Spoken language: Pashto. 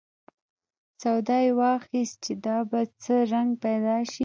سودا یې واخیست چې دا به څه رنګ پیدا شي.